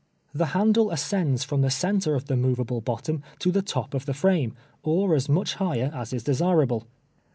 The handle ascends from the centre of the movable bottom to the top of the frame, or as much higher as is desirable.